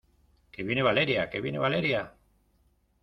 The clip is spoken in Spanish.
que viene Valeria, que viene Valeria.